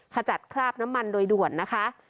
ขจัดคราบน้ำมันโดยด่วนนะคะ